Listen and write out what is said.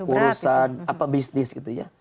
urusan bisnis gitu ya